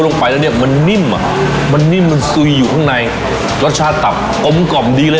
ลงไปแล้วเนี้ยมันนิ่มอ่ะมันนิ่มมันซุยอยู่ข้างในรสชาติตับกลมกล่อมดีเลย